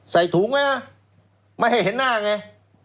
ใส่ถุงไว้นะไม่ให้เห็นหน้าไง